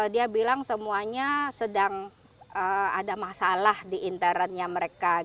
dia bilang semuanya sedang ada masalah di internnya mereka